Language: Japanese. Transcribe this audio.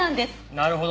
なるほど。